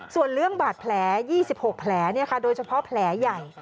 ส่วนเรื่องบาดแผล๒๖แผลโดยเฉพาะแผลใหญ่